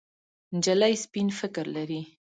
نجلۍ سپين فکر لري.